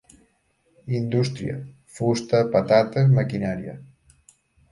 Indústria: fusta, patates, maquinària.